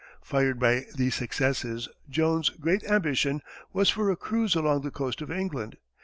Fired by these successes, Jones's great ambition was for a cruise along the coast of England.